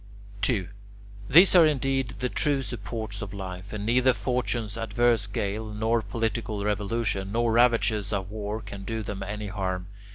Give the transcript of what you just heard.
2. These are indeed the true supports of life, and neither Fortune's adverse gale, nor political revolution, nor ravages of war can do them any harm.